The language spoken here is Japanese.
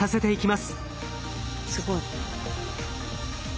すごい。